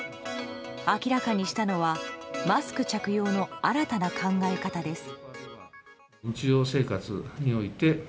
明らかにしたのはマスク着用の新たな考え方です。